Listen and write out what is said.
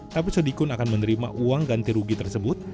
tapi sodikun akan menerima uang ganti rugi tersebut